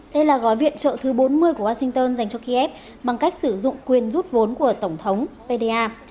đây là gói viện trợ thứ bốn mươi của washington dành cho kiev bằng cách sử dụng quyền rút vốn của tổng thống pda